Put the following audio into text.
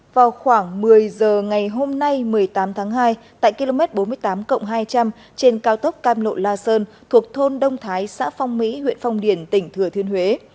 vào khoảng một mươi h ngày hôm nay một mươi tám tháng hai tại km bốn mươi tám hai trăm linh trên cao tốc cam lộ la sơn thuộc thôn đông thái xã phong mỹ huyện phong điền tỉnh thừa thiên huế